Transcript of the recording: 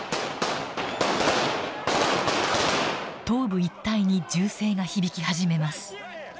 東部一帯に銃声が響き始めます。